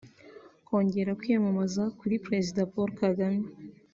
Kongera kwiyamamaza kuri Perezida Paul Kagame